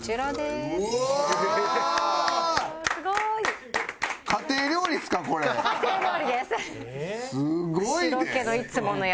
すごいね！